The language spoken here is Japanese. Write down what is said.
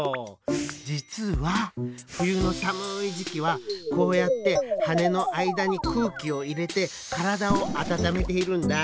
じつはふゆのさむいじきはこうやってはねのあいだにくうきをいれてからだをあたためているんだ。